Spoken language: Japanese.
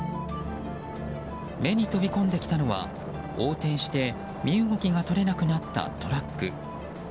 目に飛び込んできたのは横転して身動きが取れなくなったトラック。